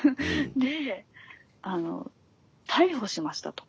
であの逮捕しましたと。